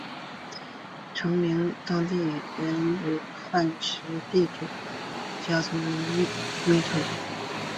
城名是当地原来汉特人地主的家族名称。